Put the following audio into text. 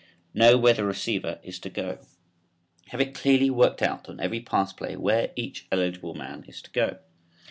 KNOW WHERE THE RECEIVER IS TO GO. Have it clearly worked out on every pass play where each eligible man is to go.